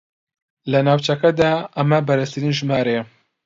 لە ناوچەکەدا ئەمە بەرزترین ژمارەیە